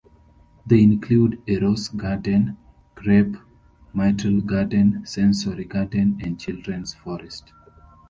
They include a rose garden, crape myrtle garden, sensory garden, and children's forest.